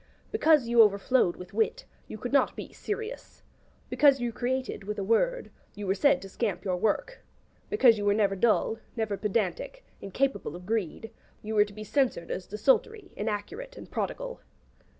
Because you overflowed with wit, you could not be 'serious;' Because you created with a word, you were said to scamp your work; because you were never dull, never pedantic, incapable of greed, you were to be censured as desultory, inaccurate, and prodigal.